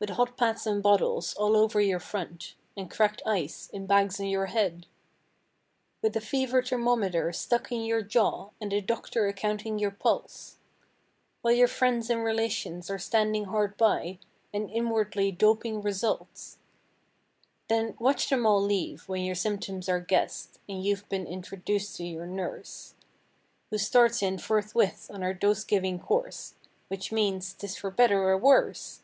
With hot pads and bottles, all over your front And cracked ice, in bags on your head ? With a fever thermometer stuck in your jaw And the doctor a counting your pulse; While your friends and relations are standing hard by And inwardly doping results? Then, watch them all leave, when your symptoms are guessed. And you've been introduced to your nurse. Who starts in forthwith on her dose giving course Which means—" 'Tis for better or worse!"